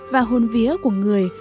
và hôn vía của người